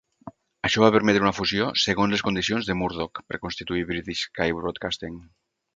Això va permetre una fusió segons les condicions de Murdoch per constituir British Sky Broadcasting.